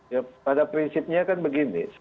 ya pada prinsipnya kan begini